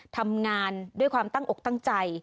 ทำงานด้วยความตั้งอกตั้งใจ